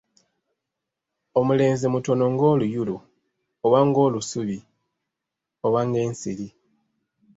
Omulenzi mutono ng'oluyulu oba ng'olusubi oba ng'ensiri